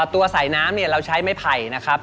ตัวใส่น้ำเนี่ยเราใช้ไม้ไผ่นะครับ